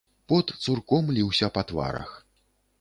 Пот цурком ліўся па тварах.